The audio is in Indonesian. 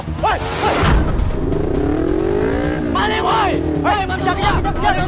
jangan kejar jangan kejar